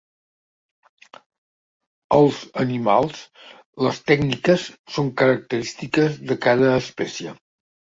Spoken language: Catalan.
Als animals, les tècniques són característiques de cada espècie.